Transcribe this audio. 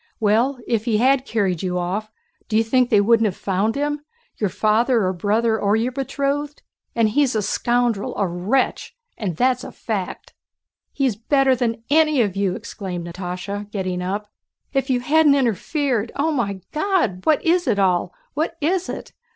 Well, if he had carried you off... do you think they wouldn't have found him? Your father, or brother, or your betrothed? And he's a scoundrel, a wretch—that's a fact!" "He is better than any of you!" exclaimed Natásha getting up. "If you hadn't interfered... Oh, my God! What is it all? What is it?